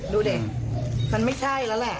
ดูดิมันไม่ใช่แล้วแหละ